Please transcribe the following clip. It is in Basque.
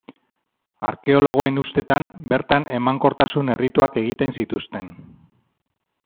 Arkeologoen ustetan, bertan emankortasun errituak egiten zituzten.